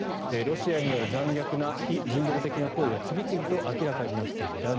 ロシアによる残虐な非人道的な行為が次々と明らかになっている。